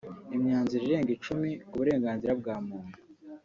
imyanzuro irenga icumi ku burenganzira bwa muntu